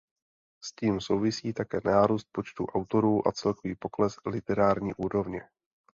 S tím souvisí také nárůst počtů autorů a celkový pokles literární úrovně.